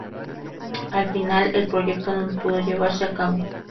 Al final, el proyecto no pudo llevarse a cabo.